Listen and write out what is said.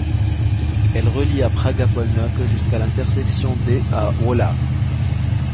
Elle relie à Praga-Północ jusqu'à l'intersection d' et à Wola.